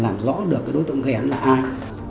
làm rõ được cái đối tượng gây án là ai